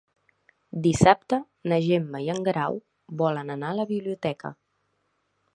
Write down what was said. Dissabte na Gemma i en Guerau volen anar a la biblioteca.